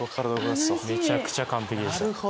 めちゃくちゃ完璧でした。